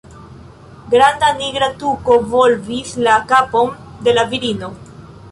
Granda nigra tuko volvis la kapon de la virino.